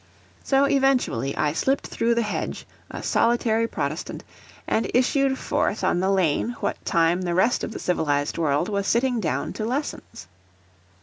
So eventually I slipped through the hedge a solitary protestant, and issued forth on the lane what time the rest of the civilised world was sitting down to lessons.